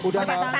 udah gak ada ini